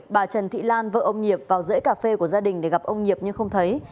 bà trần thị lan vợ ông nhịp vào rễ cà phê của gia đình để gặp ông nhịp nhưng không thấy